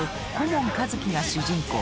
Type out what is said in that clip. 門一輝が主人公。